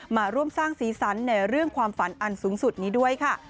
มาร่วมสร้างสีสันในเรื่องความฝันอันสูงสุดนี้ด้วยค่ะ